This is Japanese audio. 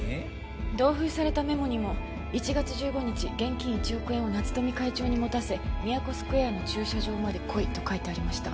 同封されたメモにも「１月１５日現金１億円を夏富会長に持たせミヤコスクエアの駐車場まで来い」と書いてありました。